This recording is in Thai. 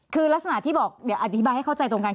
คือลักษณะที่บอกเดี๋ยวอธิบายให้เข้าใจตรงกัน